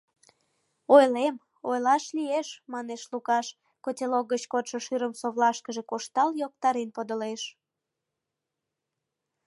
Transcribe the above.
— Ойлем, ойлаш лиеш, — манеш Лукаш, котелок гыч кодшо шӱрым совлашкыже коштал, йоктарен подылеш.